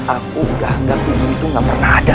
aku udah ngantuin itu gak pernah ada